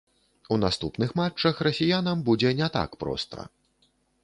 У наступных матчах расіянам будзе не так проста.